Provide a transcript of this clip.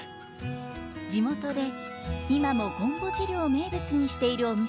地元で今もごんぼ汁を名物にしているお店があります。